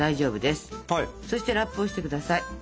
そしてラップをして下さい。